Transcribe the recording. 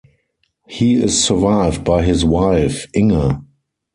He is survived by his wife, Inge.